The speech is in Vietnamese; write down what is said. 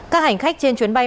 các hành khách trên chuyến bay